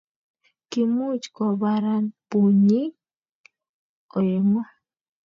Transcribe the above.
Kimuch kubaran bunyik oeng'u